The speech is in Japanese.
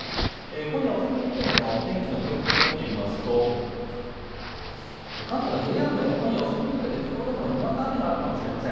今夜遅くにかけての天気の分布を見てみますと関東の平野部でも今夜遅くにかけてところどころにわか雨があるかもしれません。